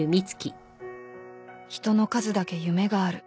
［人の数だけ夢がある］